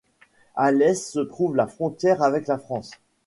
À l'Est se trouve la frontière avec la France.